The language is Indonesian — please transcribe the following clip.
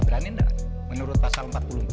berani enggak menurut pasal empat puluh empat